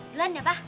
duluan ya abah